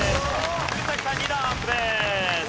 鶴崎さん２段アップです。